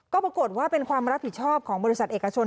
ก็ปรากฏว่าเป็นความรับผิดชอบของบริษัทเอกชน